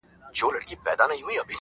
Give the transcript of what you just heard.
• نور به وه ميني ته شعرونه ليكلو.